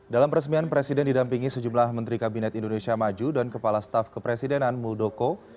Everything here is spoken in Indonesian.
dalam peresmian presiden didampingi sejumlah menteri kabinet indonesia maju dan kepala staf kepresidenan muldoko